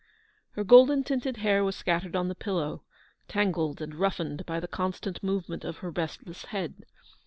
Her golden tinted hair was scattered on the pillow, tangled and roughened by the constant movement of her restless head.